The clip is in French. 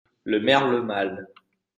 Le merle mâle